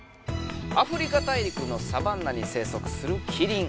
アフリカ大陸のサバンナに生息するキリン。